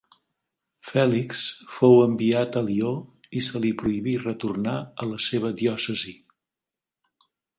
Fèlix fou enviat a Lió i se li prohibí retornar a la seva diòcesi.